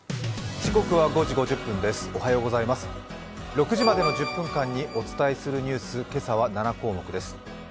６時までの１０分間にお伝えするニュース、今朝は７項目です。